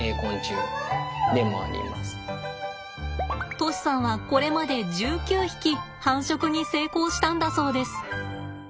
杜師さんはこれまで１９匹繁殖に成功したんだそうです。